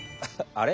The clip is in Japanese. あれ？